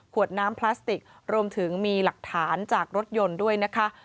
น้ำพลาสติกรวมถึงมีหลักฐานจากรถยนต์ด้วยนะคะ